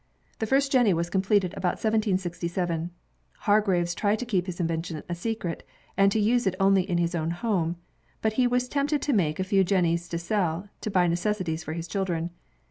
The first jenny was completed about 1767. Hargreaves tried to keep his invention a secret, and to use it only in his own home. But he was tempted to make a few jennies to sell, to buy necessities for his children.